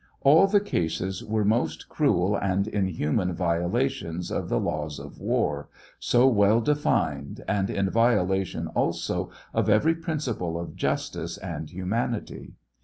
All the cases were most cruel and inhuman violations of the laws of war, so well defined, and in vio lation also of every principle of justice and humanity.